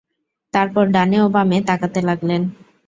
তারপর ডানে ও বামে তাকাতে লাগলেন।